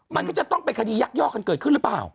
มันก็จะต้องเป็นคดียักยอกกันเกิดขึ้นหรือเปล่า